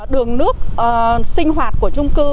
đường nước sinh hoạt của trung cư